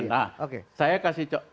nah saya kasih cok